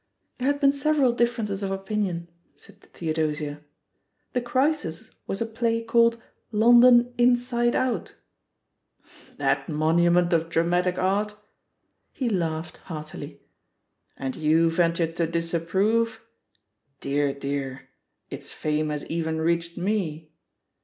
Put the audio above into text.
"There had been several differences of opin ion,'' said Theodosia; "the crisis was a play called London Inside Out/* "That monument of dramatic art?" He laughed heartily. "And you ventured to dis approve? Dear, dearl Its fame has even reached me.